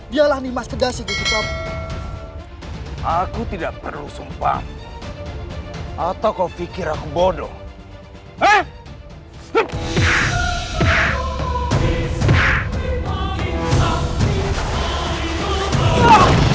terima kasih raden atang